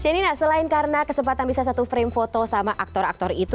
jenina selain karena kesempatan bisa satu frame foto sama aktor aktor itu